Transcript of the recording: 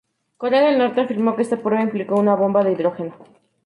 Corea del Norte afirmó que esta prueba implicó una bomba de hidrógeno.